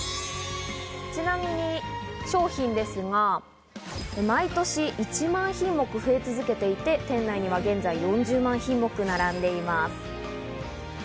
ちなみに商品ですが、毎年１万品目増え続けていて、店内には現在４０万品目、並んでいます。